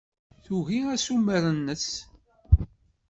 Tugi assumer-nnes.